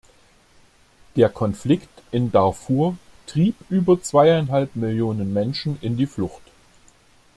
Der Konflikt in Darfur trieb über zweieinhalb Millionen Menschen in die Flucht.